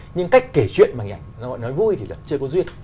nhưng cách kể chuyện bằng hình ảnh nói vui thì chưa có duyên